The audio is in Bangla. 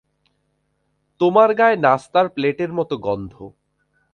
তোমার গায়ে নাস্তার প্লেটের মত গন্ধ।